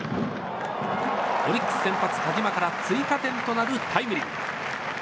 オリックス先発、田嶋から追加点となるタイムリー。